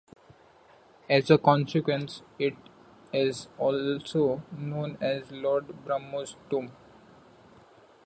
As a consequence, it is also known as "Lord Belmore's tomb".